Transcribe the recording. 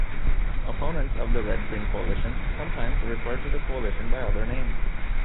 Opponents of the Red-Green Coalition sometimes referred to the coalition by other names.